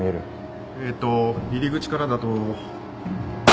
えっと入り口からだと。